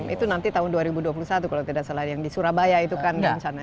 itu nanti tahun dua ribu dua puluh satu kalau tidak salah yang di surabaya itu kan rencana